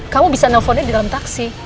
kamu bisa nelfonnya di dalam taksi